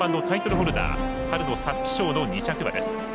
ホルダー春の皐月賞の２着馬です。